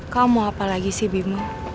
kamu apa lagi sih bimo